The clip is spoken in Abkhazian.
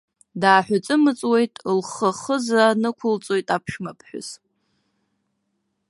Дааҳәыҵымыҵуеит, лхы ахыза нақәылҵоит аԥшәмаԥҳәыс.